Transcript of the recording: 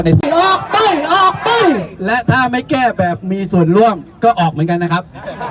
ออกปึ้งออกปึ้งและถ้าไม่แก้แบบมีส่วนร่วมก็ออกเหมือนกันนะครับ